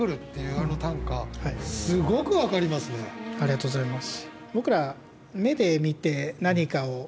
ありがとうございます。